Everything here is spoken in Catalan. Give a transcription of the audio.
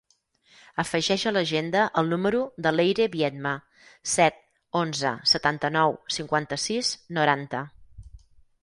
Afegeix a l'agenda el número de l'Eire Biedma: set, onze, setanta-nou, cinquanta-sis, noranta.